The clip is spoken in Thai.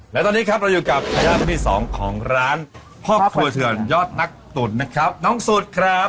และตอนนี้ครับเราอยู่กับทายาทรุ่นที่สองของร้านพ่อครัวเถื่อนยอดนักตุ๋นนะครับน้องสุดครับ